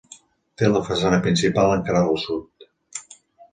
Té la façana principal encarada al sud.